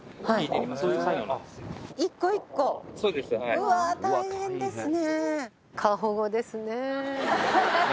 うわ大変ですね。